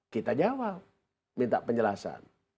kita jawab minta penjelasan